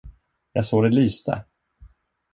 Jag såg det lyste!